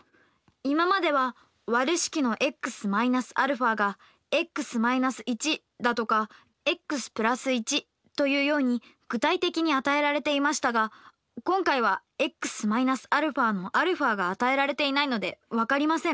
今まではわる式のｘ−αがｘ−１だとかｘ＋１というように具体的に与えられていましたが今回はｘ−αのαが与えられていないので分かりません。